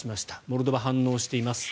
モルドバ、反応しています。